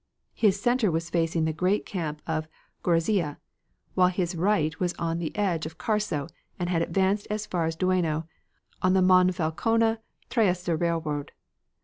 His center was facing the great camp of Gorizia, while his right was on the edge of the Carso, and had advanced as far as Dueno, on the Monfalcone Trieste Railroad.